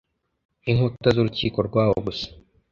nkinkuta zurukiko rwaho gusa